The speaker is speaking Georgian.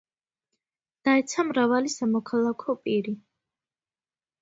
დაეცა მრავალი სამოქალაქო პირი.